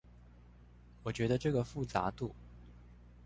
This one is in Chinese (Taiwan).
我覺得這個複雜度